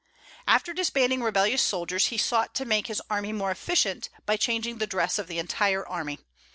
After disbanding rebellious soldiers, he sought to make his army more efficient by changing the dress of the entire army.